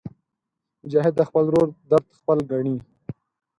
مجاهد د خپل ورور درد خپل ګڼي.